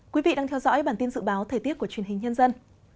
quý vị đang theo dõi bản tin dự báo thời tiết của truyền hình nhân dân